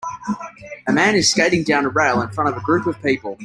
A man is skating down a rail in front of a group of people.